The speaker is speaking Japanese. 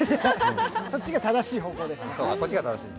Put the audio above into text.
そっちが正しい方向です。